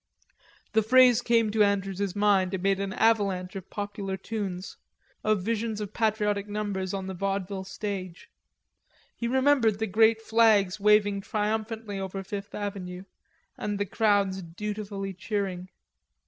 The phrase came to Andrews's mind amid an avalanche of popular tunes; of visions of patriotic numbers on the vaudeville stage. He remembered the great flags waving triumphantly over Fifth Avenue, and the crowds dutifully cheering.